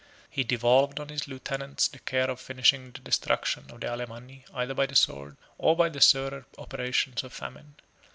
He devolved on his lieutenants the care of finishing the destruction of the Alemanni, either by the sword, or by the surer operation of famine.